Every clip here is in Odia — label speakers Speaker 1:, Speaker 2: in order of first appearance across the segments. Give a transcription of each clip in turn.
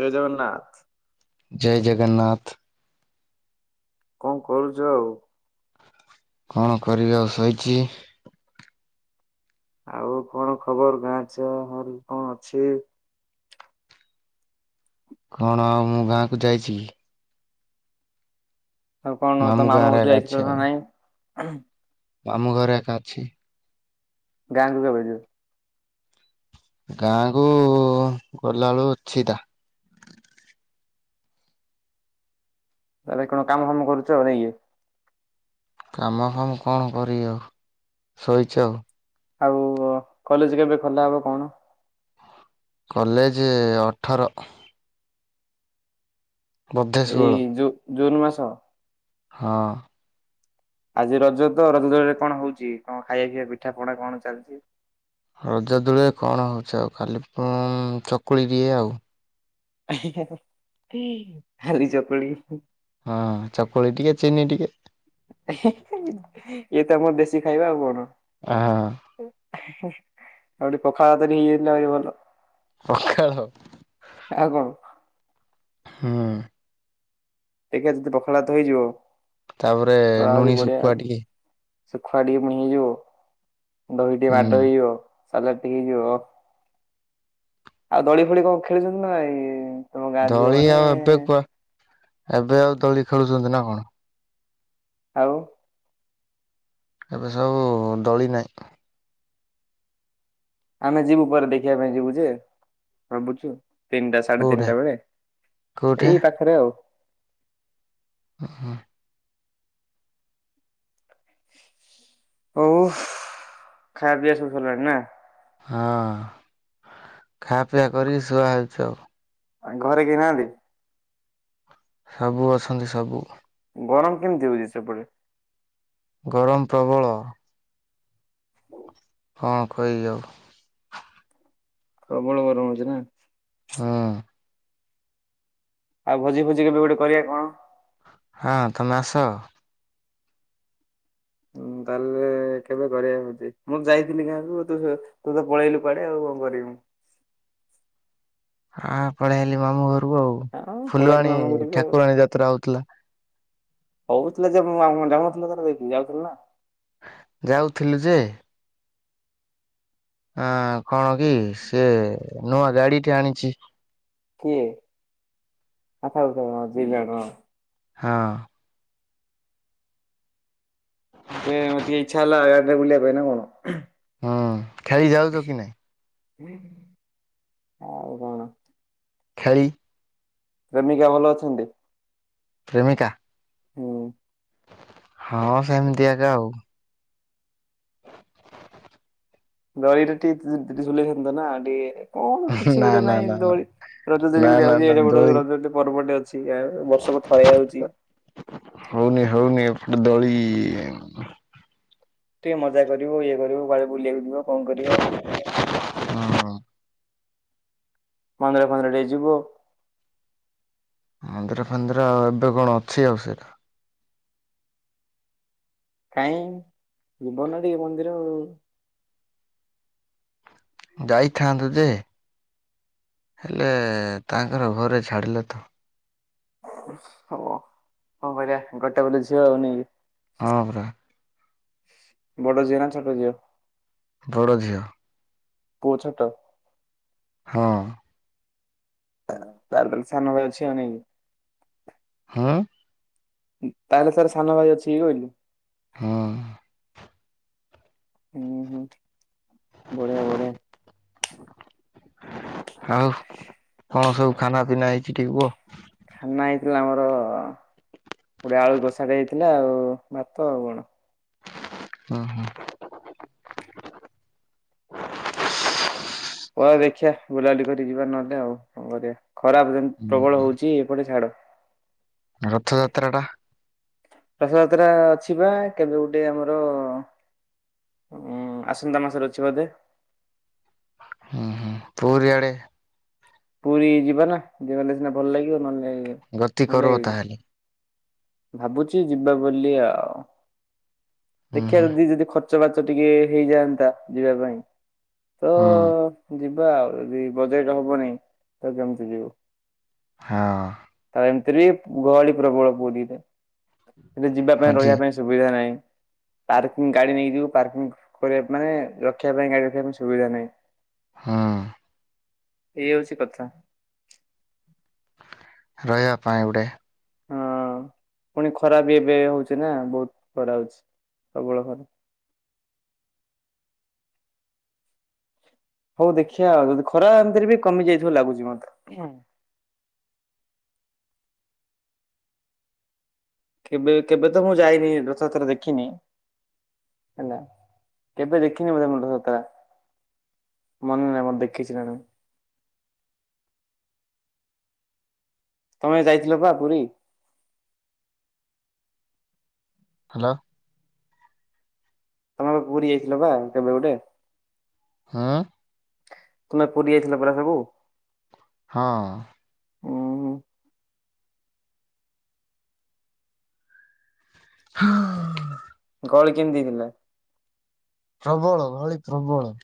Speaker 1: ଜୟ ଜଗନ୍ନାଥ
Speaker 2: ଜୟ ଜଗନ୍ନାଥ।
Speaker 1: କଣ କରୁଛ ଆଉ।
Speaker 2: କଣ କରିବା ଆଉ ଶୋଇଛି।
Speaker 1: ଆଉ କଣ ଖବର ଗାଁ ଛାଆଁ କଣ ଅଛି?
Speaker 2: କଣ ଆଉ ମୁଁ ଗାଁକୁ ଯାଇଛି।
Speaker 1: ଆଉ କଣ ତମ ମାମୁଁ
Speaker 2: ଗାଁରେ
Speaker 1: ଘରକୁ
Speaker 2: ଏକା ଅଛି
Speaker 1: ଯାଇଥିଲ ନା
Speaker 2: ଆଉ
Speaker 1: ନାଇଁ?
Speaker 2: ମାମୁଁ ଘରେ ଏକା ଅଛି।
Speaker 1: ଗାଁକୁ କେବେ ଯିବ?
Speaker 2: ଗାଁ କ ଗଲାବେଳୁ ଅଛି ତା
Speaker 1: ତାହେଲେ କଣ କାମ ଫାମ କରୁଛ ନାଇଁ କି?
Speaker 2: କାମ ଫାମ କଣ କରିବ ଆଉ ଶୋଇଛି ଆଉ।
Speaker 1: ଆଉ କଲେଜ କେବେ ଖୋଲା ହବ କଣ?
Speaker 2: କଲେଜ ଅଠର ବୋଧେ ଷୋହଳ
Speaker 1: ଜୁନ୍ ମାସ
Speaker 2: ହଁ।
Speaker 1: ଆଜି ରଜ ତ ରଜରେ କଣ ହଉଛି କଣ ଖାଇବା ପିଇବା ପିଠା ପଣା କଣ ଚାଲିଛି।
Speaker 2: ରଜ ଦୂଳେରେ କଣ ହଉଛି ଆଉ ଖାଲି ଉଁ ଚକୁଳି ଦିଏ ଆଉ।
Speaker 1: ଖାଲି ଚକୁଳି
Speaker 2: ହଁ ଚକୁଳି ଟିକେ ଚିନି ଟିକେ।
Speaker 1: ଇଏ ତମର ଦେଶୀ ଖାଇବା ଆଉ କଣ।
Speaker 2: [unintelligible]
Speaker 1: ଆଉ [unintelligible] ପଖାଳ ଭାତ [unintelligible] ସବୁଠୁ ଭଲ।
Speaker 2: ପଖାଳ
Speaker 1: ଆଉ କଣ
Speaker 2: ହଁ।
Speaker 1: ଟିକେ ଯଦି ପଖାଳ ଭାତ ହେଇଯିବ
Speaker 2: ତାପରେ
Speaker 1: ତ ଆହୁରି
Speaker 2: ଲୁଣି
Speaker 1: ବଢିଆ
Speaker 2: ଶୁଖୁଆ ଟିକେ
Speaker 1: ଶୁଖୁଆ ଟିକେ ପିଇ ହେଇଯିବ ଦହି ଟିକେ
Speaker 2: ହୁଁ
Speaker 1: ବାଡ ହେଇଯିବ ସାଲା ଟିକେ ହେଇଯିବ ଆଉ ଦଳି ଫୋଳି କଣ ଖେଳୁଛନ୍ତି ନାଇ?
Speaker 2: ଦଳି ଆଉ ଏବେ କୁ ଏବେ ଆଉ ଦଳି ଖେଳୁଛନ୍ତି ନା କଣ?
Speaker 1: ଆଉ
Speaker 2: ଏବେ ସବୁ ଦଳି ନାହିଁ।
Speaker 1: ଆମେ ଯିବୁ ପରେ ଦେଖିବା ପାଇଁ ଯିବୁ ଯେ ଭାବୁଛୁ ତିନିଟା ସାଢେ
Speaker 2: କୋଉଠେ
Speaker 1: ତିନିଟା ବେଳେ
Speaker 2: କୋଉଠେ
Speaker 1: ଏଇ ପାଖରେ ଆଉ।
Speaker 2: ଓ ହଁ
Speaker 1: ହଉ ଖାଇବା ପିଇବା ସବୁ ସରିଲାଣି ନା?
Speaker 2: ହଁ ଖାଆ ପିଆ କରିକି ଶୁଆ ହେଉଛି ଆଉ।
Speaker 1: ଆ ଘରେ କେହି ନାହାନ୍ତି?
Speaker 2: ସବୁ ଅଛନ୍ତି ସବୁ
Speaker 1: ଗରମ କେମିତି ହଉଛି ସେପଟେ?
Speaker 2: ଗରମ ପ୍ରବଳ।
Speaker 1: ହଉ।
Speaker 2: ହଁ କହିଦିଅ।
Speaker 1: ପ୍ରବଳ ଗରମ ହଉଛି ନା?
Speaker 2: ହଁ।
Speaker 1: ଆଉ ଭୋଜି ଫୋଜି କେବେ ଗୋଟେ କରିବା କଣ
Speaker 2: ହଁ ତମେ ଆସ।
Speaker 1: ହୁଁ ତାହେଲେ କେବେ କରିବା ଭୋଜି ମୁଁ ଯାଇଥିଲି ଗାଁକୁ ତୁ ସ ତୁ ତ ପଳେଇଲୁ କୁଆଡେ ଆଉ କଂ କରିମି ମୁଁ।
Speaker 2: ହଁ ପଳେଇ ଆଇଲି ମାମୁଁ ଘରକୁ ଆଉ
Speaker 1: ହଁ ପଳେଇଲି
Speaker 2: ଫୁଲବାଣୀ
Speaker 1: ମାମୁଁ ଘରକୁ ଆଉ
Speaker 2: ଠାକୁରାଣୀ ଯାତ୍ରା ହଉଥିଲା।
Speaker 1: ହଉଥିଲା ଯେ [unintelligible] ଯାଉନଥିଲ ତର ଦେଇକି ଯାଉଥିଲୁ ନା।
Speaker 2: ଯାଉଥିଲୁ ଯେ ଆଁ କଣ କି ସେଏ ନୂଆ ଗାଡି ଟେ ଆଣିଛି।
Speaker 1: କିଏ ଆ ଥାଉଥାଉ ହଁ ଦିଜଣ।
Speaker 2: ହଁ।
Speaker 1: ସେ ମ ଟିକେ ଇଚ୍ଛା ହେଲା ଗାଡ଼ିରେ ବୁଲିବା ପାଇଁ ନା କଣ।
Speaker 2: ହୁଁ ଖେଳି ଯାଉଛ କି ନାଇଁ।
Speaker 1: ଆଉ କଣ।
Speaker 2: ଖେଳି
Speaker 1: ପ୍ରେମିକା ଭଲ ଅଛନ୍ତି?
Speaker 2: ପ୍ରେମିକା
Speaker 1: ହୁଁ
Speaker 2: ହଁ ସେମିତି ଆକା ଆଉ।
Speaker 1: [unintelligible] କଣ କିଛି ଗୋଟେ ନାଇଁ
Speaker 2: ନା ନା ନା ନା
Speaker 1: ଦୋଳି
Speaker 2: ନା
Speaker 1: ରଜଦୋଳି ଗୋଟେ
Speaker 2: ନା
Speaker 1: ଆଉଚି
Speaker 2: ନା
Speaker 1: ଏଡ଼େ ବଡ଼
Speaker 2: ଦୋଳି
Speaker 1: ରଜଟେ ପର୍ବ ଟେ ଅ ଛି ଆଉ ବର୍ଷକୁ ଥରେ ଆଉଚି
Speaker 2: ହୋଉନି ହୋଉନି ଏପଟେ ଦୋଳି
Speaker 1: ଟିକେ ମଜା କରିବୁ ଇଏ କରିବୁ କୁଆଡେ ବୁଲିବାକୁ ଯିବ କଣ କରିବ।
Speaker 2: ହଁ।
Speaker 1: ମନ୍ଦିର ଫନ୍ଦିର ଟିକେ ଯିବୁ।
Speaker 2: ମନ୍ଦିରା ଫନ୍ଦିର ଏବେ ଆଉ କଣ ଅଛି ଆଉ ସେରା।
Speaker 1: କାଇଁ ଯିବୁ ନା ଟିକେ ମନ୍ଦିର ଆଉ।
Speaker 2: ଯାଇଥାନ୍ତୁ ଯେ [inaudible] ହେଲେ ତାଙ୍କର ଘରେ ଛାଡ଼ିଲେ ତ
Speaker 1: ହୋଉ କଂ କରିବା ଗୋଟେ ବୋଲି ଝିଅ ଆଉ ନେଇକି।
Speaker 2: ହଁ ପରା।
Speaker 1: ବଡ଼ ଝିଅ ନା ଛୋଟ ଝିଅ?
Speaker 2: ବଡ଼ ଝିଅ।
Speaker 1: ପୁଅ ଛୋଟ?
Speaker 2: ହଁ।
Speaker 1: ତା ତାହେଲେ ସାନ ଭାଇ ଅଛି ନାଇକି?
Speaker 2: ହୁଁ।
Speaker 1: ତାହେଲେ ତାର ସାନ ଭାଇ ଅଛି ଇ କହିଲି।
Speaker 2: ହୁଁ।
Speaker 1: ହୁଁ ହୁଁ ବଢିଆ ବଢିଆ।
Speaker 2: ଆଉ କଣ ସବୁ ଖାନା ପିନା ହେଇଛି ଟିକେ କୁଅ?
Speaker 1: ଖାନା ହେଇଥିଲା ଆମର ପୋଡିଆ ଆଳୁ କଷାଟେ ହେଇଥିଲା ଆଉ ଭାତ ଆଉ କଣ।
Speaker 2: ଓ ହୋ।
Speaker 1: ହଁ ଦେଖିିଆ ବୁଲାବୁଲି କରି ଟିକେ ଯିବା ନହେଲେ ଆଉ କଣ କରିବା ଖରା ପ ପ୍ରବଳ
Speaker 2: ହୁଁ
Speaker 1: ହଉଚି ଏପଟେ ଛାଡ଼।
Speaker 2: ରଥଯାତ୍ରା ଟା।
Speaker 1: ରଥଯାତ୍ରା ଅଛି ବା କେବେ ଗୋଟେ ଆମର ହଁ ଆସନ୍ତା ମାସରେ ଅଛି ବୋଧେ?
Speaker 2: ହଁ ହଁ ପୁରୀଆଡେ
Speaker 1: ପୁରୀ ଯିବା ନା ଗଲେ ସିନା ଭଲ ଲାଗିବ ନହଲେ
Speaker 2: ଗତି
Speaker 1: ଭଲ
Speaker 2: କରିବ
Speaker 1: ଲାଗିବକି?
Speaker 2: ତାହେଲେ
Speaker 1: ଭାବୁଚି ଯିବା ବୋଲି ଆଉ
Speaker 2: ହୁଁ
Speaker 1: ଦେଖିବା
Speaker 2: ହୁଁ
Speaker 1: ଯଦି ଯଦି ଖ ର୍ଚ ବାର୍ଚ ଟିକେ ହେଇଯାଆନ୍ତା ଯିବା ପାଇଁ ତ
Speaker 2: ହୁଁ
Speaker 1: ଯି ବା ଆଉ ଯଦି ବଜେଟ ହବନି ତ କେମତି ଯିବୁ?
Speaker 2: ହଁ।
Speaker 1: ତ ଏମିତିରେ ଗହଳି ପ୍ରବଳ ପୁରୀରେ ଯିବା ପାଇଁ
Speaker 2: ହଜି
Speaker 1: ରହିବା ପାଇଁ ସୁବିଧା ନାହିଁ। ପାର୍କିଂ ଗାଡି ନେଇକିଯିବୁ ପାର୍କିଂ କରିବା ମାନେ ରଖିବା ପାଇଁ ଗାଡି ରଖିବା ପାଇଁ ସୁବିଧା ନାହିଁ।
Speaker 2: ହୁଁ।
Speaker 1: ଏଇ ହଉଚି କଥା।
Speaker 2: ରହିବା ପାଇଁ ଗୋଟେ
Speaker 1: ହଁ ପୁଣି ଖରାବି ଏବେ ହଉଚି ନା ବହୁତ ଖରା ହଉଚି ପ୍ରବଳ ଖରା। ହଉ ଦେଖିବା ଆଉ ଖରା ଏମିତିରେ ବି କମି ଯାଇଥିବ ଲାଗୁଛି ମତେ। କେବେ କେବେ ତ ମୁଁ ଯାଇନି ରଥଯାତ୍ରା ଦେଖିନି? ହେଲା କେବେ ଦେଖିନି ବୋଧେ ମୁଁ ରଥଯାତ୍ରା? ମନ ନାଁଇ ମୁଁଦେଖିଛି ନା କଣ? ତମେ ଯାଇଥିଲ ପା ପୁରୀ?
Speaker 2: ହ୍ୟାଲୋ।
Speaker 1: ତମେ ପା ପୁରୀ ଯାଇଥିଲ ବା କେବେ ଗୋଟେ?
Speaker 2: ହଁ।
Speaker 1: ତମେ ପୁରୀ ଯାଇଥିଲ ପରା ସବୁ।
Speaker 2: ହଁ।
Speaker 1: ଉଁ ହୁଁ
Speaker 2: ହଁ।
Speaker 1: ଗହଳି କେମିତିଥିଲା?
Speaker 2: ପ୍ରବଳ ଗହଳି ପ୍ରବଳ।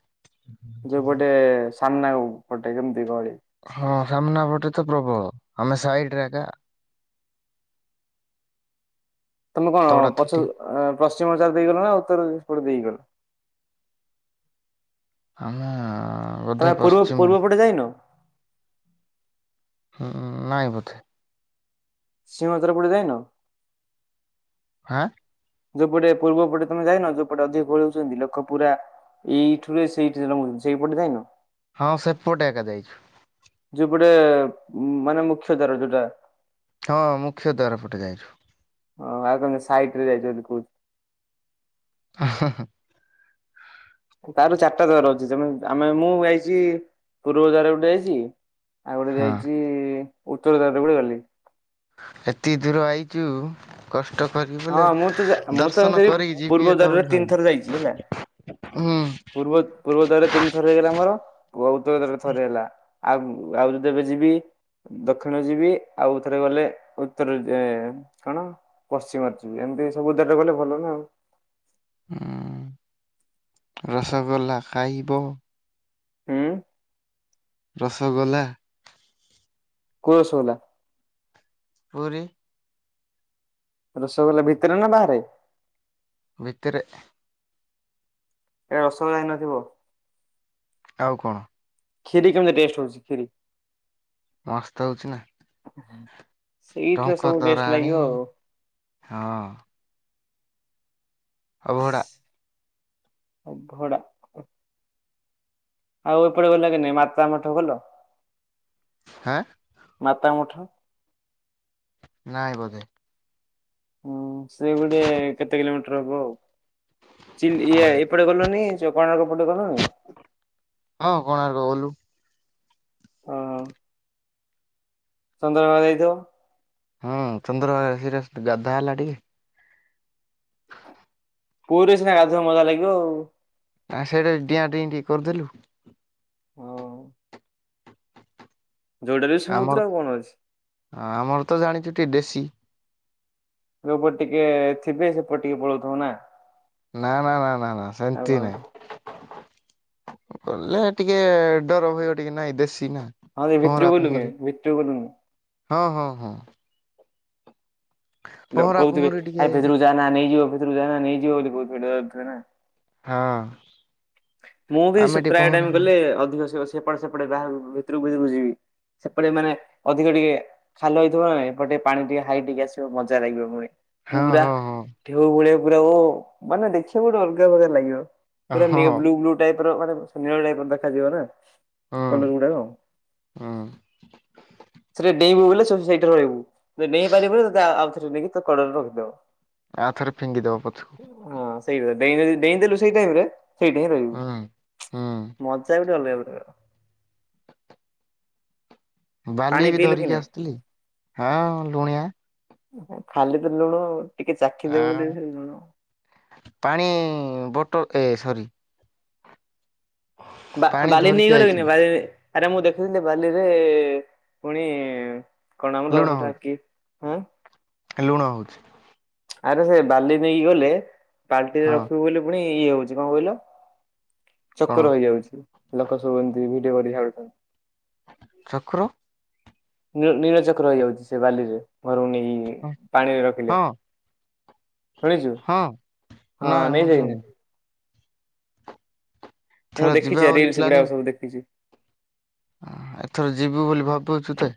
Speaker 1: ଯୋଉ ପଟେ ସାମ୍ନାକୁ ପଟେ ଏମିତି ଗହଳି?
Speaker 2: ହଁ ସାମ୍ନାପଟେ ତ ପ୍ରବଳ ଆମେ ସାଇଡରେ ଏକା
Speaker 1: ତମେ କଣ
Speaker 2: ତଡା
Speaker 1: ପଛ
Speaker 2: ଥୁଟିଆ
Speaker 1: ପଶ୍ଚିମ ହଜାର ଦେଇଗଲ ନା ଉତ୍ତର ବାଟେ ଦେଇଗଲ?
Speaker 2: ଆମେ ବୋଧେ ପଶ୍ଚିମ।
Speaker 1: ଏପଟେ ଯାଇନ?
Speaker 2: ହୁଁ ନାଇଁ ବୋଧେ
Speaker 1: ସିଂହଦ୍ୱାର ପଟେ ଯାଇନ?
Speaker 2: ହାଁ।
Speaker 1: ଯୋଉପଟେ ପୂର୍ବ ପଟେ ତମେ ଯାଇନ ଯୋଉପଟେ ଅଧିକ ଗହଳି ହଉଛନ୍ତି ଲୋକ ପୁରା ଏଇଠୁରେ ସେଇ ଜାକେ ସେଇପଟେ ଯାଇନ?
Speaker 2: ହଁ ସେପଟେ ଏକା ଯାଇଛୁ।
Speaker 1: ଯୋଉପୋଟେ ମାନେ ମୁଖ୍ୟ ଦ୍ୱାର ଯୋଉଟା।
Speaker 2: ହଁ ମୁଖ୍ୟ ଦ୍ୱାର ପଟେ ଯାଇଛୁ।
Speaker 1: ହଁ ଆଉ କଣ ସାଇଟରେ ଯାଇଛୁ ବୋଲି କହୁ
Speaker 2: ହ ହ।
Speaker 1: ତାର ଚାରଟା ଦ୍ଵାର ଅଛି ତ ଆମେ ମୁଁ ଯାଇଛି ପୂର୍ବ ଦ୍ୱାର ପଟେ ଯାଇଛି ଆଉ ଗୋଟେ
Speaker 2: ହଁ
Speaker 1: ଯାଇଛି ଉତ୍ତରଦ୍ୱାର ପଟେ ଗଲି।
Speaker 2: ଏତେ ଦୂର ଆଇଛୁ କଷ୍ଟ କରିକି
Speaker 1: ହଁ
Speaker 2: ବୋଲେ
Speaker 1: ମୁଁ ତ ଯା ମୁଁ ତ
Speaker 2: ଦର୍ଶନ
Speaker 1: ଏମିତି
Speaker 2: କରିକି
Speaker 1: ପୂର୍ବ
Speaker 2: ଯିବି ଏକା
Speaker 1: ଦ୍ୱାରରେ
Speaker 2: ବୋଲି
Speaker 1: ତିନି ଥର ଯାଇଛି ହେଲା
Speaker 2: ଭାବ ହୁଁ।
Speaker 1: ପୂର୍ବ ପୂର୍ବ ଦର ତିନିଥର ହେଇଗଲା ଆମର। ବଉ ତ ତବେ ଥରେ ହେଲା ଆଉ ଆଉ ଯଦି ଏବେ ଯିବି ଦକ୍ଷିଣ ଯିବି ଆଉ ଥରେ ଗଲେ ଉତ୍ତର କଣ? ମାରୁଛି ଏମିତି ସବୁଦ ଟା ଗଲେ ଭଲ ନା ଆଉ।
Speaker 2: ଉ ରସଗୋଲ୍ଲା ଖାଇବ?
Speaker 1: ହଁ।
Speaker 2: ରସଗୋଲା।
Speaker 1: କୋଉ ରସଗୋଲା?
Speaker 2: ପୁରୀ।
Speaker 1: ରସଗୋଲା ଭିତରେ ନା ବାହାରେ?
Speaker 2: ଭିତରେ।
Speaker 1: ଏ ରସଗୋଲା ହଇନଥିବ।
Speaker 2: ଆଉ କଣ?
Speaker 1: ଖିରୀ କେିତି ଟେଷ୍ଟ ହଛି ଖିରୀ।
Speaker 2: ମସ୍ତ ହଉଛି ନା
Speaker 1: ସେଇଠରେ
Speaker 2: ଟଙ୍କ
Speaker 1: ସବୁ ରେଷ୍ଟ
Speaker 2: ତରାଣୀ
Speaker 1: ଲାଗିବ ଆଉ।
Speaker 2: ହଁ। ଅବଡା।
Speaker 1: ଅଭଡା। ଆଉ ଏପଟେ ଗଲା କି ନାଇଁ ମାତା ମଠ ଗଲ?
Speaker 2: ହଁ।
Speaker 1: ମାତା ମଠ।
Speaker 2: ନାଇଁ ବୋଧେ।
Speaker 1: ହୁଁ ସେ ଗୋଟେ କେତେ କିଲୋମିଟର ହବ ଆଉ ଇ ଏପଟେ ଗଲନି ସେ କୋଣାର୍କ ପଟେ ଗଲୁନି
Speaker 2: ହଁ କୋଣାର୍କ ଗଲୁ।
Speaker 1: ହଁ। ଚନ୍ଦ୍ରମା ଯାଇଥିବ?
Speaker 2: ହଁ ଚନ୍ଦ୍ରଭାଗ ସେଟ ଗାଧା ହେଲା ଟିକେ
Speaker 1: ପୁଅରେ ସିନା ଗାଧୁଆ ମଜା ଲାଗିବ ଆଉ।
Speaker 2: ଆ ସେଇଟା ଡିଆଁ ଡିଁ ଟିକେ କରିଦେଲୁ
Speaker 1: ହଁ। ଯଉଟା ବି ସମୁଦ୍ର ଆଉ କଣ ଅଛି?
Speaker 2: ହଁ ଆମର ତ ଜାଣିଛୁ ଟିକେ ଦେଶୀ
Speaker 1: ଯୋଉପଟ ଟିକେ ଥିବେ ସେପଟେ ଟିକେ ପଳଉଥିବ ନା?
Speaker 2: ନା ନା ନା ନା ନା
Speaker 1: ଆଉ
Speaker 2: ସେମିତି
Speaker 1: କଣ
Speaker 2: ନାଇଁ। ଗଲେ ଟିକେ ଡର ହଗ ଟିକେ ନାଇଁ ଦେଶୀ ନା।
Speaker 1: ହଁ ଯେ
Speaker 2: ପହଁରା
Speaker 1: ଭିତରକୁ
Speaker 2: ପହଁରି
Speaker 1: ଭିତରକୁ ଗଲୁ କେମିତି?
Speaker 2: ହଁ ହଁ ହଁ।
Speaker 1: ଲ
Speaker 2: ପହଁରା
Speaker 1: କହୁଥିବେ
Speaker 2: ପହଁରି ଟିକେ
Speaker 1: ଆାଇ ଭିତରୁ ଯା ନେଇଯିବ ଭିତରୁକୁ ଯା ନେଇଯିବ ବୋଲି କହୁଥିବ ନା?
Speaker 2: ହଁ।
Speaker 1: ମୁଁ ବି
Speaker 2: ଆମେ ଟିକେ
Speaker 1: ପ୍ରାୟ
Speaker 2: ପହଁରା
Speaker 1: ଟାଇମ
Speaker 2: ପହଁରି
Speaker 1: ଗଲେ ଅଧିକ ସେପଟେ ସେପଟେ ବାହାର ଭିତରକୁ ଭିତରକୁ ଯିବି ସେପଟେ ମାନେ ଅଧିକ ଟିକେ ଖାଲ ହେଇଥିବ ନା ଏ ଟିକେ ପାଣି ଟିକେ ହାଇ ଟିକେ ଆସିବ ମଜା ଲାଗିବ।
Speaker 2: ହଁ
Speaker 1: ପୁରା
Speaker 2: ହଁ ହଁ
Speaker 1: ଢେଉ ଭଳିଆ ପୁରା ଓ ମାନେ ଦେଖିବାକୁ ଗୋଟେ ଅଲଗା ପ୍ରକାର ଲାଗିବ ପୁରା
Speaker 2: ହଁ
Speaker 1: ନିଉ
Speaker 2: ହଁ
Speaker 1: ବ୍ଲୁ ଟାଇପର ମାନେ ନୀଳ ଟାଇପର ଦେଖାଯିବ ନା।
Speaker 2: ହୁଁ
Speaker 1: [unintelligible]
Speaker 2: ହୁଁ
Speaker 1: ସେଠି ଡେଇଁବୁ ବୋଲି ସେ ସେଇଟେ ରହିବୁ। ଯଦି ଡେଇଁ ପାରିବୁନି ତତେ ଆ-ଆଉ ଥରେ ନେଇକି ତ କଡରେ ରଖିଦବ।
Speaker 2: ଆଉ ଥରେ ଫିଙ୍ଗିଦବ ପଛକୁ
Speaker 1: ହଁ ସେଇ [unintelligible] ଦେଇଁ ଡେଇଁ ଦେଲୁ ସେଇ ଟାଇମ୍ ରେ ସେଇଟା ହିଁ ରହିବୁ।
Speaker 2: ହୁଁ।
Speaker 1: [unintelligible]
Speaker 2: ହୁଁ
Speaker 1: ମଜା ଗୋଟେ ଅଲଗା ପ୍ରକାର।
Speaker 2: ବାଲି
Speaker 1: ପାଣି
Speaker 2: ବି
Speaker 1: ପିଇଲୁ କି
Speaker 2: ଧରିକି
Speaker 1: ନାଇଁ?
Speaker 2: ଆସିଥିଲି ହଁ ଲୁଣିଆ।
Speaker 1: ଏହେ ଖାଲି ତ ଲୁଣ ଟିକେ
Speaker 2: ଆ
Speaker 1: ଚାଖିଦୋବୁ ବୋଲି ସେ ଲୁଣ
Speaker 2: ପାଣି ବଟଲ ଏ ସରି। ପାଣି
Speaker 1: ବା-ବାଲି ନେଇ
Speaker 2: ଧରିକି
Speaker 1: ଗଲେ କି ନାଇ
Speaker 2: ଆଇଥିଲି
Speaker 1: ଭାଇ? [unintelligible] ଆରେ ମୁଁ ଦେଖିଥିଲି ବାଲିରେ ପୁଣି କଣ ମ ରୁହ
Speaker 2: ଲୁଣ
Speaker 1: ସେଟା
Speaker 2: ହଉଛି
Speaker 1: କି ଆଁ।
Speaker 2: ଲୁଣ ହୋଉଚି।
Speaker 1: ଆରେ ସେ ବାଲି ନେଇକି ଗଲେ ବାଲ୍ଟିରେ
Speaker 2: ହଁ
Speaker 1: ରଖିବୁ ବୋଲି ପୁଣି ଇଏ ହୋଉଚି କଣ କହିଲୁ।
Speaker 2: କଣ
Speaker 1: ଚକର ହେଇଯାଉଚି ଲୋକ ସବୁ ଏମିତି ଭିଡିଓ କରି ଛାଡୁଚନ୍ତି।
Speaker 2: ଚକ୍ର
Speaker 1: ନି-ନିଳଚକ୍ର ହେଇଯାଉଚି ସେ ବାଲିରେ ଘରୁକୁ ନେଇକି ପାଣିରେ ରଖିଲେ।
Speaker 2: ହଁ
Speaker 1: କରିଚୁ
Speaker 2: ହଁ
Speaker 1: ହଁ
Speaker 2: ନାଇଁ ମୁଁ
Speaker 1: ନେଇସାଇ
Speaker 2: ଶୁଣିନି
Speaker 1: [unintelligible] ମୁଁ
Speaker 2: ଏଥର ଯିବା
Speaker 1: ଦେଖିଚି ଏ
Speaker 2: ବୋଲି
Speaker 1: ରିଲସ ଗୁଡାକ ସବୁ ଦେଖିଚି।
Speaker 2: ହଁ ଏଥର ଯିବୁ ବୋଲି ଭାବୁଚୁତେ